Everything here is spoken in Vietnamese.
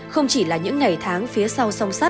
không chỉ là những ngày tháng phía sau